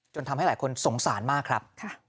ทำให้หลายคนสงสารมากครับ